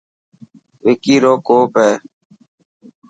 وڪي رو ڪوپ هي.